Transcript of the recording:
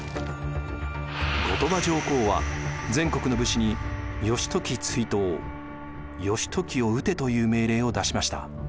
後鳥羽上皇は全国の武士に「義時追討」「義時を討て」という命令を出しました。